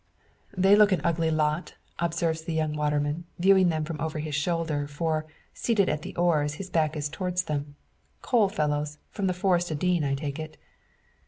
"They look an ugly lot!" observes the young waterman, viewing them over his shoulder; for, seated at the oars, his back is towards them. "Coal fellows, from the Forest o' Dean, I take it."